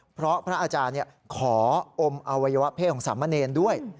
เพราะพระอาจารย์ขออมอวัยวะเพศของสามเณรด้วย